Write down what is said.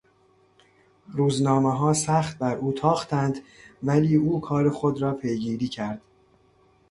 روزنامهها سخت بر او تاختند ولی او کار خود را پیگیری کرد.